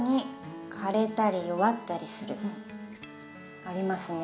次はありますね。